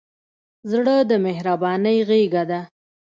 زړه د مهربانۍ غېږه ده.